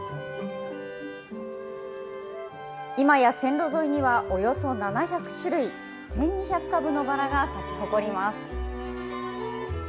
今や線路沿いにはおよそ７００種類１２００株のバラが咲き誇ります。